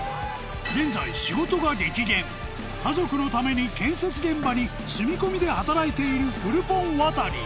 現在仕事が激減家族のために建設現場に住み込みで働いているフルポン